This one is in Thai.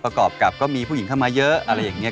กรอบกับก็มีผู้หญิงเข้ามาเยอะอะไรอย่างนี้